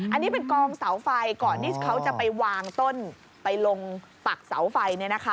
อันนี้เป็นกองเสาไฟก่อนที่เขาจะไปวางต้นไปลงปักเสาไฟ